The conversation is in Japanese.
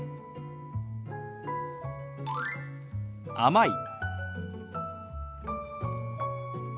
「甘い」。